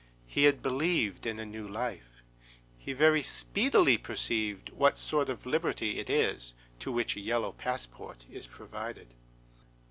He had believed in a new life. He very speedily perceived what sort of liberty it is to which a yellow passport is provided.